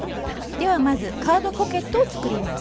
ではまずカードポケットを作ります。